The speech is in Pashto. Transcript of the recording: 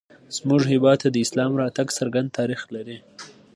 زموږ هېواد ته د اسلام راتګ څرګند تاریخ لري